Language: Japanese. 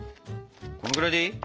このぐらいでいい？